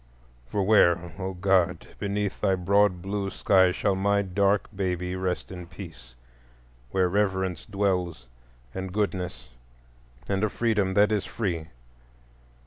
—for where, O God! beneath thy broad blue sky shall my dark baby rest in peace,—where Reverence dwells, and Goodness, and a Freedom that is free?